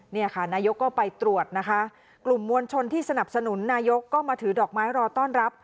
เนี่ยค่ะนายกก็ไปตรวจนะคะกลุ่มมวลชนที่สนับสนุนนายกก็มาถือดอกไม้รอต้อนรับ